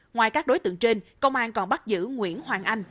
ngoài các đối tượng trên công an còn bắt giữ nguyễn hoàng anh